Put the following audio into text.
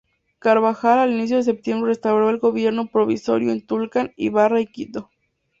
Carvajal al inicio de septiembre restauró el Gobierno Provisorio en Tulcán, Ibarra y Quito.